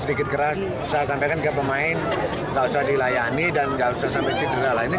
sedikit keras saya sampaikan ke pemain nggak usah dilayani dan nggak usah sampai cedera lainnya